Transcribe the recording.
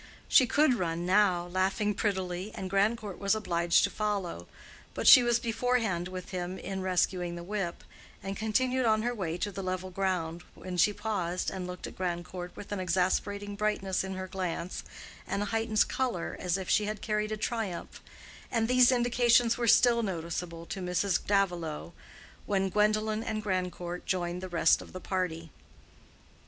She could run down now, laughing prettily, and Grandcourt was obliged to follow; but she was beforehand with him in rescuing the whip, and continued on her way to the level ground, when she paused and looked at Grandcourt with an exasperating brightness in her glance and a heightened color, as if she had carried a triumph, and these indications were still noticeable to Mrs. Davilow when Gwendolen and Grandcourt joined the rest of the party.